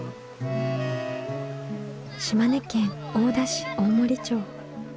島根県大田市大森町。